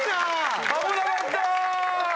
危なかった！